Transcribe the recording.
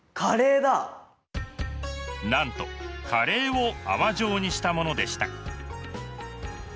なんとカレーを泡状にしたものでした。